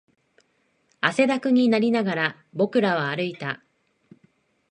汗だくになりながら、僕らは歩いた